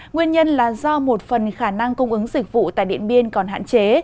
nguyên nhân là do một phần khả năng cung ứng dịch vụ tại điện biên còn hạn chế